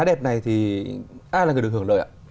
đẹp này thì ai là người được hưởng lợi ạ